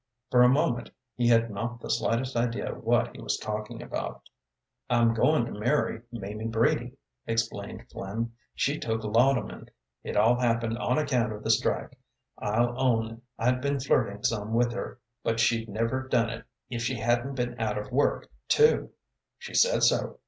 For a moment he had not the slightest idea what he was talking about. "I'm going to marry Mamie Brady," explained Flynn. "She took laudanum. It all happened on account of the strike. I'll own I'd been flirting some with her, but she'd never done it if she hadn't been out of work, too. She said so.